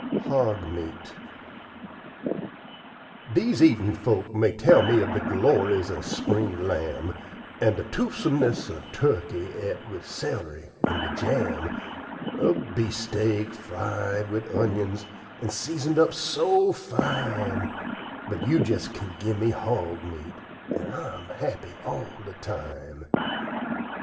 HOG MEAT Deze eatin' folks may tell me ub de gloriz ub spring lam', An' de toofsumnis ub tuckey et wid cel'ry an' wid jam; Ub beef st'ak fried wid unyuns, an' sezoned up so fine But you' jes' kin gimme hog meat, an' I'm happy all de time.